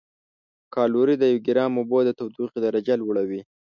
کالوري د یو ګرام اوبو د تودوخې درجه لوړوي.